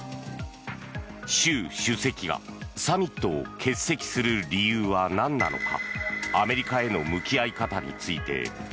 習主席がサミットを欠席する理由は何なのか。